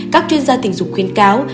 các chuyên gia tình dục khuyến cáo